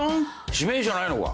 指名じゃないのか。